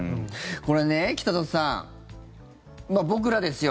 これね、北里さん僕らですよ